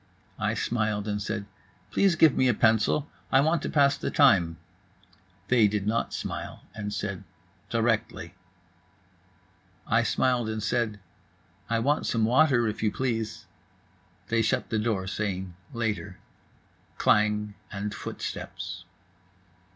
I smiled and said: "Please give me a pencil. I want to pass the time." They did not smile and said: "Directly." I smiled and said: "I want some water, if you please." They shut the door, saying "Later." Klang and footsteps.